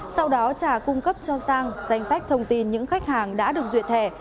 sau đó trả cung cấp cho sang danh sách thông tin những khách hàng đã được duyệt thẻ